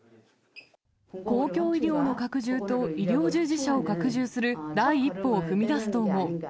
公共医療の拡充と医療従事者を拡充する、第一歩を踏み出すと思う。